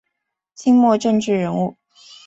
清末政治人物。